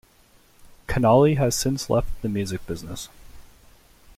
Connolly has since left the music business.